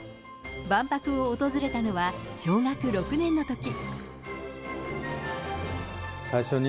万博を訪れたのは小学６年のとき。